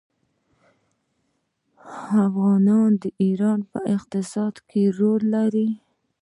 افغانان د ایران په اقتصاد کې رول لري.